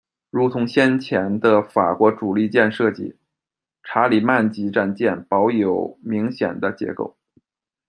如同先前的法国主力舰设计，查理曼级战舰保有明显的结构。